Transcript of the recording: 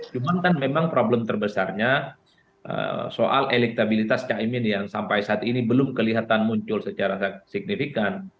cuman kan memang problem terbesarnya soal elektabilitas caimin yang sampai saat ini belum kelihatan muncul secara signifikan